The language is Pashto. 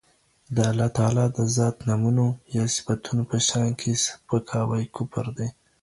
د الله تعالی د ذات، نومونو يا صفتونو په شان کي سپکاوی کفر دی.